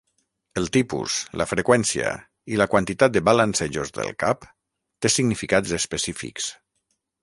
El tipus, la freqüència, i la quantitat de balancejos del cap té significats específics.